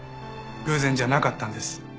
偶然じゃなかったんです。